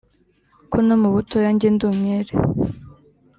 ko no mu butoya njye ndi umwere